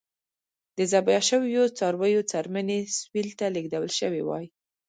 د ذبح شویو څارویو څرمنې سویل ته لېږدول شوې وای.